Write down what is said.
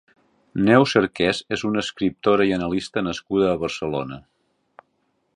Neus Arqués és una escriptora i analista nascuda a Barcelona.